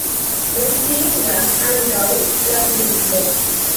Menciindas ankaŭ la turismo.